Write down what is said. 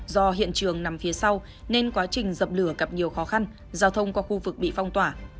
do hiện trường nằm phía sau nên quá trình dập lửa gặp nhiều khó khăn giao thông qua khu vực bị phong tỏa